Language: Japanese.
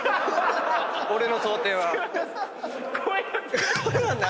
俺の想定は。